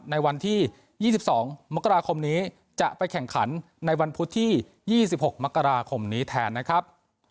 ในวันที่๒๒มกราคมนี้จะไปแข่งขันในวันพุธที่๒๖มกราคมนี้แทนนะครับ